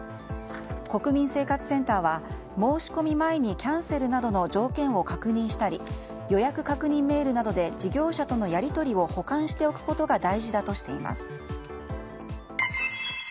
国民生活センターは申し込み前にキャンセルなどの条件を確認したり予約確認メールなどで事業者とのやり取りをえどのラテがおすすめですか？